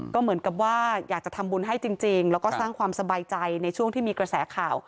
ก็เหมือนกับว่าอยากจะทำบุญให้จริงแล้วก็สร้างความสบายใจในช่วงที่มีกระแสข่าว